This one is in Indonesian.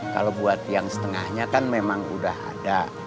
kalau buat yang setengahnya kan memang udah ada